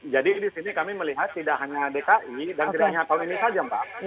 jadi di sini kami melihat tidak hanya dki dan tidak hanya kolonial saja mbak